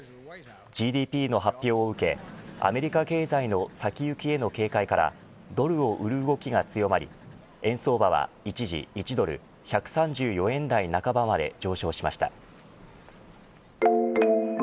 ＧＤＰの発表を受けアメリカ経済の先行きへの警戒からドルを売る動きが強まり円相場は、一時１ドル１３４円台半ばまで上昇しました。